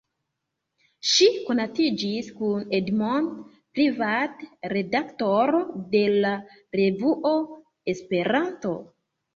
Ŝi konatiĝis kun Edmond Privat, redaktoro de la revuo "Esperanto".